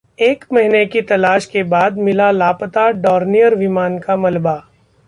एक महीने की तलाश के बाद मिला लापता डोर्नियर विमान का मलबा